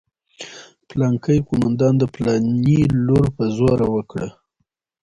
پلانکي قومندان د پلاني لور په زوره وکړه.